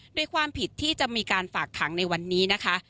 โดยความผิดที่จะมีการฝากขังในวันนี้นะคะ